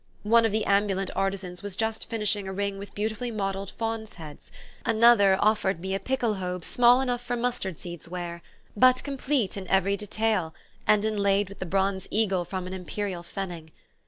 One of the ambulant artisans was just finishing a ring with beautifully modelled fauns' heads, another offered me a "Pickelhaube" small enough for Mustard seed's wear, but complete in every detail, and inlaid with the bronze eagle from an Imperial pfennig.